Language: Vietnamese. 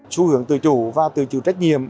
xu hưởng tự chủ và tự chủ trách nhiệm